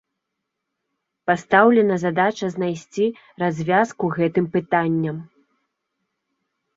Пастаўлена задача знайсці развязку гэтым пытанням.